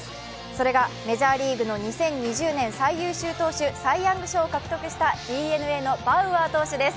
それがメジャーリーグの２０２０年最優秀投手、サイ・ヤング賞を獲得したＤｅＮＡのバウアー投手です。